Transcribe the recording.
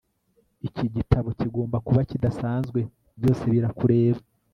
iki gitabo kigomba kuba kidasanzwe; byose birakureba